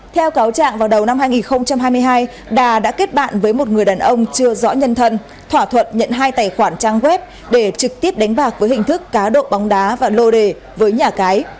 theo cáo trạng vào đầu năm hai nghìn hai mươi hai đà đã kết bạn với một người đàn ông chưa rõ nhân thân thỏa thuận nhận hai tài khoản trang web để trực tiếp đánh bạc với hình thức cá độ bóng đá và lô đề với nhà cái